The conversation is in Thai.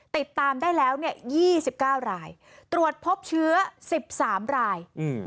ติดตามได้แล้วเนี่ยยี่สิบเก้ารายตรวจพบเชื้อสิบสามรายอืม